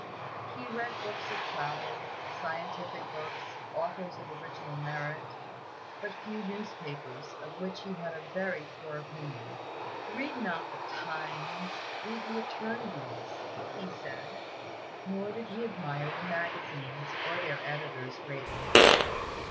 He read books of travel, scientific books, authors of original merit, but few newspapers, of which he had a very poor opinion. "Read not the 'Times,' read the Eternities," he said. Nor did he admire the magazines, or their editors, greatly.